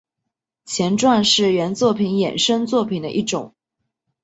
前传是原作品衍生作品的一种。